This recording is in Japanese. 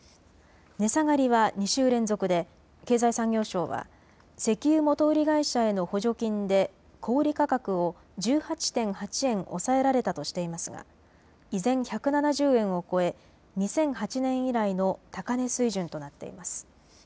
値下がりは２週連続で経済産業省は石油元売り会社への補助金で小売価格を１８．８円抑えられたとしていますが依然、１７０円を超え２００８年以来の高値水準となっています。